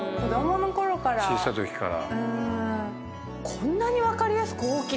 小さいときから。